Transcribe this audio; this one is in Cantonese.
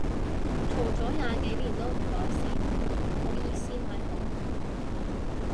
嘈咗廿年都唔改善，好意思買兇